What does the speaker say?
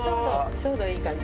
ちょうどいい感じで。